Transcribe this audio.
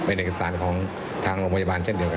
เป็นเอกสารของทางโรงพยาบาลเช่นเดียวกัน